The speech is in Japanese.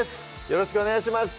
よろしくお願いします